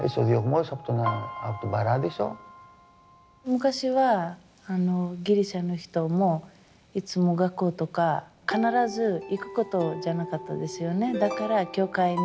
昔はギリシャの人もいつも学校とか必ず行くことじゃなかったですよね。